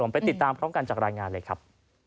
ไปติดตามพร้อมกันจากรายงานเลยครับ